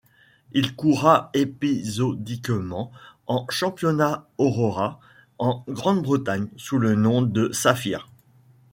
Il courra épisodiquement en championnat Aurora en Grande-Bretagne sous le nom de Safir.